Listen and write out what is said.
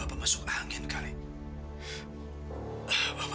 apa tadi koneks lidahnya